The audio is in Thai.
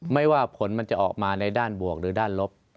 ไม่ว่าผลมันจะออกมาในด้านบวกหรือด้านลบ